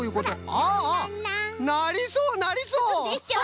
ああなりそうなりそう！